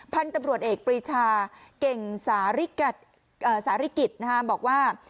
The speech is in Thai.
พันธุ์ตำรวจเอกปรีชาเก่งสาริกิจบอกว่า